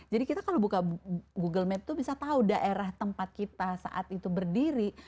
jadi kita kalau buka google map itu bisa tahu daerah tempat kita saat itu berdiri